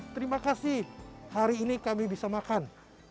terima kasih hari ini kami bisa makan